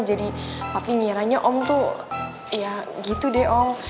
jadi papi ngiranya om tuh ya gitu deh om